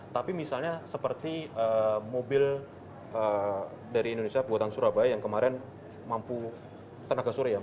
tapi misalnya seperti mobil dari indonesia buatan surabaya yang kemarin mampu tenaga surya